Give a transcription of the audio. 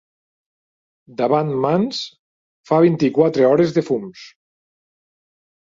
Davant mans fa vint-i-quatre hores de fums.